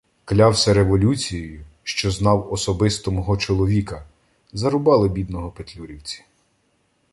Клявся революцією, що знав особисто "мого чоловіка" — зарубали, бідного, петлюрівці.